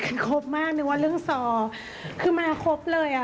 คือครบมากนึกว่าเรื่องซอคือมาครบเลยอ่ะ